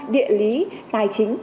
địa lý tài chính